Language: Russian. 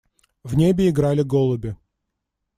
В небе играли голуби.